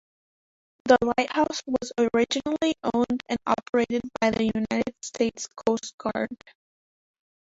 The lighthouse was originally owned and operated by the United States Coast Guard.